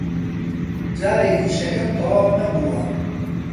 جارێ ئیشەکەم تەواو نەبووە.